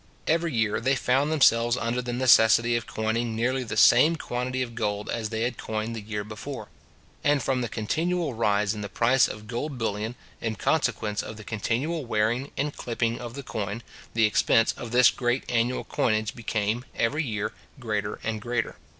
Every year they found themselves under the necessity of coining nearly the same quantity of gold as they had coined the year before; and from the continual rise in the price of gold bullion, in consequence of the continual wearing and clipping of the coin, the expense of this great annual coinage became, every year, greater and greater.